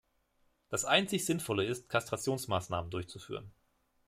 Das einzig Sinnvolle ist, Kastrationsmaßnahmen durchzuführen.